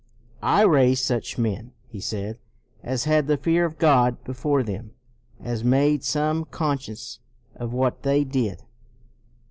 " I raised such men," he said, " as had the fear of God before them, as made some conscience of what they did."